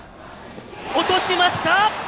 落としました！